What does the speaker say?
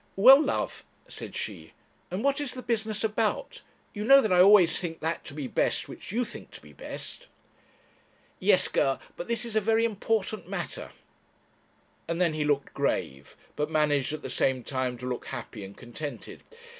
'Well, love,' said she, 'and what is the business about? You know that I always think that to be best which you think to be best.' 'Yes, Ger; but this is a very important matter;' and then he looked grave, but managed at the same time to look happy and contented.